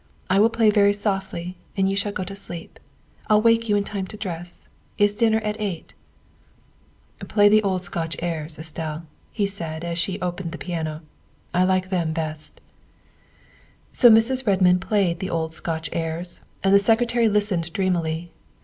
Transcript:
I will play very softly and you shall go to sleep. I'll wake you in time to dress. Is dinner at eight ?''" Play the old Scotch airs, Estelle," he said as she opened the piano, " I like them best." So Mrs. Redmond played the old Scotch airs, and the Secretary listened dreamily.